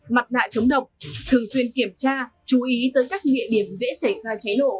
mặt nạ chống độc thường xuyên kiểm tra chú ý tới các địa điểm dễ xảy ra cháy nổ